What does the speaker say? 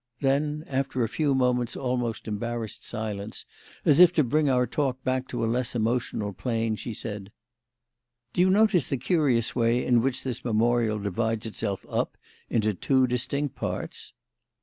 Then, after a few moments' almost embarrassed silence, as if to bring our talk back to a less emotional plane, she said: "Do you notice the curious way in which this memorial divides itself up into two distinct parts?"